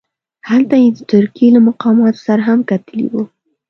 هلته یې د ترکیې له مقاماتو سره هم کتلي وه.